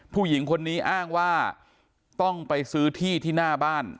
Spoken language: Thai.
ผู้หญิงคนนี้อ้างว่าต้องไปซื้อที่ที่หน้าบ้าน